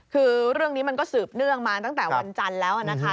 คือเรื่องนี้มันก็สืบเนื่องมาตั้งแต่วันจันทร์แล้วนะคะ